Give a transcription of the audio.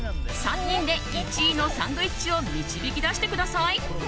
３人で１位のサンドイッチを導き出してください。